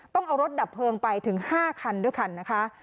ต้องเอารถดับเพลิงไปถึง๕คันด้วยกันนะคะ